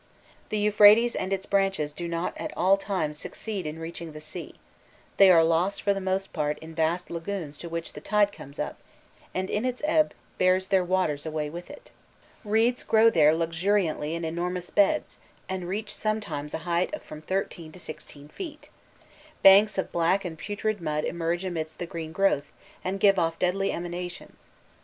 The Euphrates and its branches do not at all times succeed in reaching the sea: they are lost for the most part in vast lagoons to which the tide comes up, and in its ebb bears their waters away with it. Reeds grow there luxuriantly in enormous beds, and reach sometimes a height of from thirteen to sixteen feet; banks of black and putrid mud emerge amidst the green growth, and give off deadly emanations.